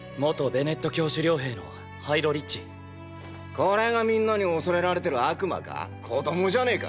これがみんなに恐れられてる悪魔か⁉子供じゃねェか！